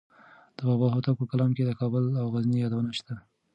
د بابا هوتک په کلام کې د کابل او غزني یادونه شته.